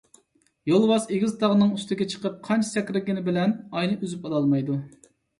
يولۋاس ئېگىز تاغنىڭ ئۈستىگە چىقىپ قانچە سەكرىگىنى بىلەن ئاينى ئۈزۈپ ئالالمايدۇ.